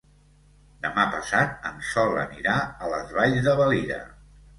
Demà passat en Sol anirà a les Valls de Valira.